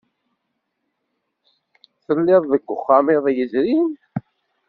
Telliḍ deg wexxam iḍ yezrin?